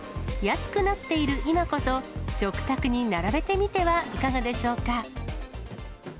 安くなっている今こそ、食卓に並べてみてはいかがでしょうか。